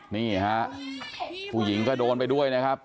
นี่ฮะผู้หญิงก็โดนไปด้วยนะครับ